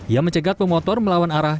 ia mencegat pemotor melawan arah